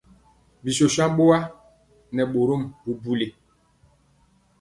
Bi shoshan bɔa nɛ bɔrmɔm bubuli.